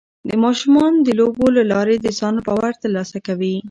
ماشومان د لوبو له لارې د ځان باور ترلاسه کوي.